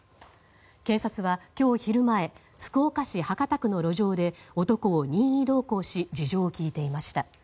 警察は今日昼前福岡市博多区の路上で男を任意同行し事情を聴いていました。